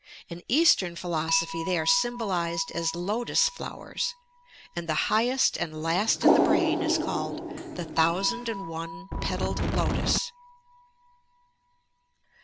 In East em Philosophy they are symbolized as "Lotus Flowers,'* and the highest and last in the brain is called "the Thousand and One Petalled Lotus."